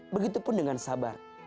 begitupun dengan sabar